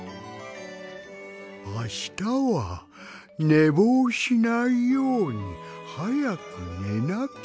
あしたはねぼうしないようにはやくねなきゃ。